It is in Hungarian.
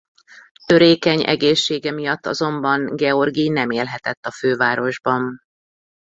Törékeny egészsége miatt azonban Georgij nem élhetett a fővárosban.